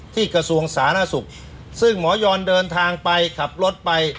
กระทรวงสาธารณสุขซึ่งหมอยอนเดินทางไปขับรถไป